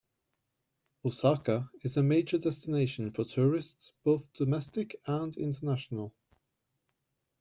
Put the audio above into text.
Osaka is a major destination for tourists, both domestic and international.